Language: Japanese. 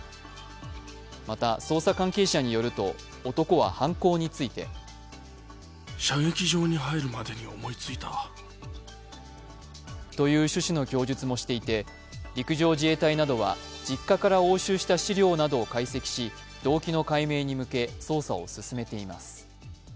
また、捜査関係者によると男は犯行についてという趣旨の供述もしていて、陸上自衛隊などは実家から押収した資料などを解析し、動機の解明に向け捜査を進めています。